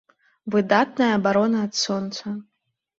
Выдатная абарона ад сонца!